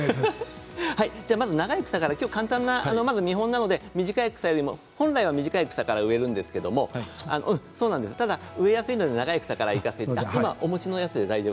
まず長い草から、きょう簡単な見本なので短い草より、本来は短い草から植えるんですけどただ植えやすいので長い草からやらせていただきます。